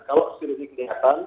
kalau skrip ini kelihatan